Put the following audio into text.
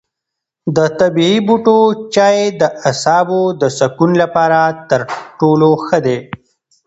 د طبیعي بوټو چای د اعصابو د سکون لپاره تر ټولو ښه دی.